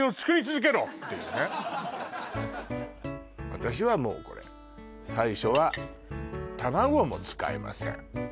私はもうこれ最初は卵も使いません